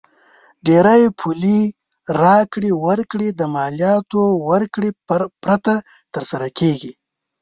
ډېری پولي راکړې ورکړې د مالیاتو ورکړې پرته تر سره کیږي.